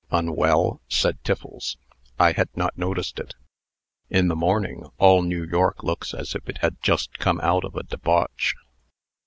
"Unwell?" said Tiffles. "I had not noticed it. In the morning, all New York looks as if it had just come out of a debauch.